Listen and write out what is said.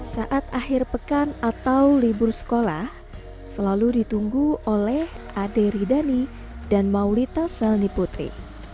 saat akhir pekan atau libur sekolah selalu ditunggu oleh ade ridani dan maulita selni putri